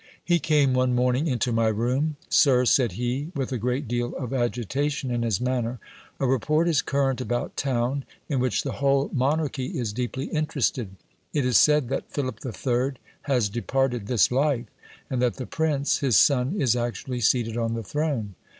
He came one morning into my room. Sir, said he, with a great deal of agitation in his manner, a report is current about town, in which the whole monarchy is deeply interested : it is said that Philip the Third has departed this life, and that the prince, his son, is actually seated on the throne.